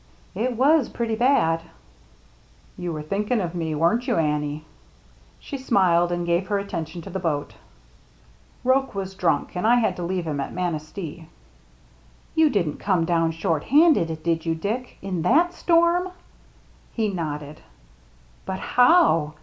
" It was pretty bad." "You were thinking of me, weren't you, Annie?" She smiled and gave her attention to the boat. " Roche was drunk, and I had to leave him at Manistee." "You didn't come down shorthanded, did you, Dick, — in that storm?" He nodded. " But how